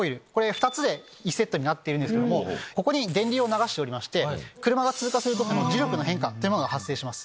２つで１セットになっているんですけどもここに電流を流しておりまして車が通過する時に磁力の変化というものが発生します。